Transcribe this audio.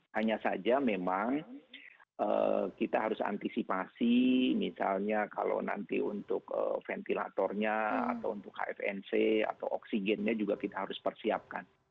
hanya saja memang kita harus antisipasi misalnya kalau nanti untuk ventilatornya atau untuk hfnc atau oksigennya juga kita harus persiapkan